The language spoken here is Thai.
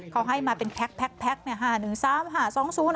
เขาให้มาเป็นแพ็กแพ็กแพ็กเนี่ยฮะหนึ่งสามหาสองศูนย์